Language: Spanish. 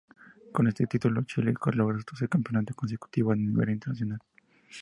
Con este título, Chile logra su tercer campeonato consecutivo a nivel internacional.